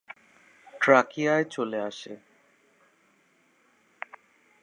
ট্রাকিয়ায় চলে আসে।